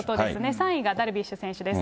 ３位がダルビッシュ選手です。